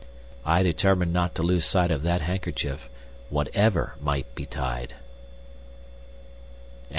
I determined not to lose sight of that handkerchief whatever might betide. XIX.